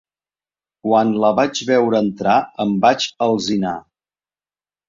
Quan la vaig veure entrar, em vaig alzinar.